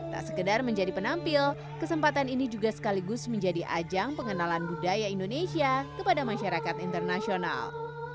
tak sekedar menjadi penampil kesempatan ini juga sekaligus menjadi ajang pengenalan budaya indonesia kepada masyarakat internasional